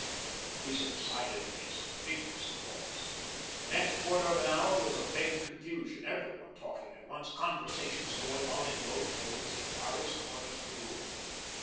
He subsided amidst vigorous applause. The next quarter of an hour was a vague confusion, every one talking at once, conversations going on in low tones in various corners of the room.